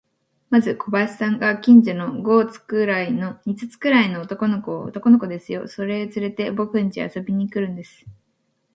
まず小林さんが、近所の五つくらいの男の子を、男の子ですよ、それをつれて、ぼくんちへ遊びに来るんです。